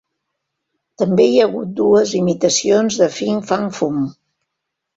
També hi ha hagut dues imitacions de Fin Fang Foom.